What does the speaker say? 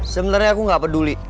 sebenernya aku gak peduli